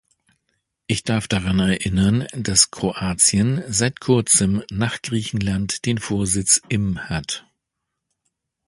Ich darf daran erinnern, dass Kroatien seit kurzem nach Griechenland den Vorsitz im hat.